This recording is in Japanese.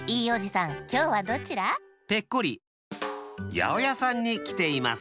やおやさんにきています。